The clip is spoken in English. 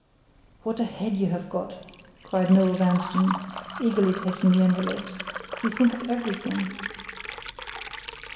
"What a head you have got!" cried Noel Vanstone, eagerly taking the envelopes. "You think of everything."